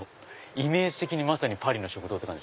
イメージ的にまさにパリの食堂って感じ。